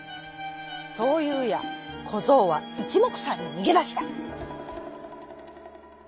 そういうやこぞうはいちもくさんににげだした。